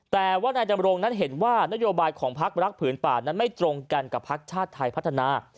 แต่ว่านายดำรงนั้นเห็นว่านโยบายของพักรักผืนป่านั้นไม่ตรงกันกับพักชาติไทยพัฒนา